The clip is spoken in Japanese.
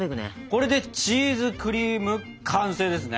これでチーズクリーム完成ですね！